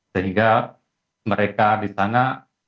sehingga mereka di sana